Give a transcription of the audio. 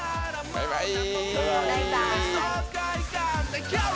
バイバイ。